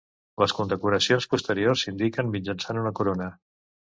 Les condecoracions posteriors s'indiquen mitjançant una corona.